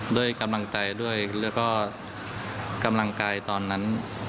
ด้วยกำลังใจด้วยแล้วก็กำลังกายตอนนั้น